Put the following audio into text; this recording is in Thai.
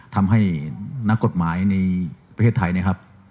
ทำให้นักกฎหมายในประเทศไทยนะครับ